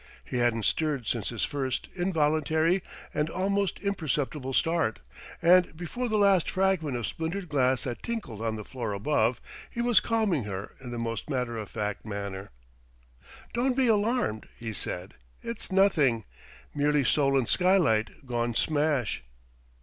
He hadn't stirred since his first, involuntary and almost imperceptible start, and before the last fragment of splintered glass had tinkled on the floor above, he was calming her in the most matter of fact manner. "Don't be alarmed," he said. "It's nothing merely Solon's skylight gone smash!"